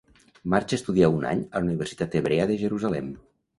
Marxa a estudiar un any a la universitat hebrea de Jerusalem.